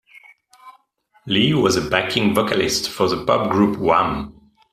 Lee was a backing vocalist for the pop group Wham!